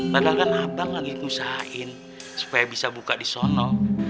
padahal kan abang lagi ngerusain supaya bisa buka di sono